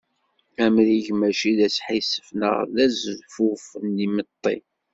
Amrig mačči d asḥissef, neɣ d azfuf n yimeṭṭi.